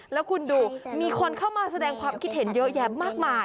แล้วคุณดูมีคนเข้ามาแสดงความคิดเห็นเยอะแยะมากมาย